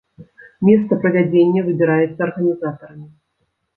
Месца правядзення выбіраецца арганізатарамі.